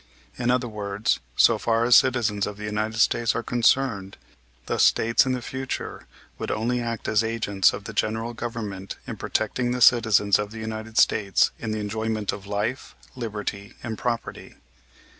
In other words, so far as citizens of the United States are concerned, the States in the future would only act as agents of the general Government in protecting the citizens of the United States in the enjoyment of life, liberty, and property.